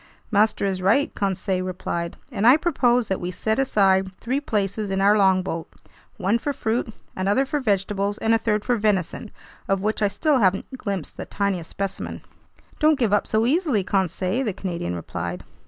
"Master is right," Conseil replied, "and I propose that we set aside three places in our longboat: one for fruit, another for vegetables, and a third for venison, of which I still haven't glimpsed the tiniest specimen." "Don't give up so easily, Conseil," the Canadian replied.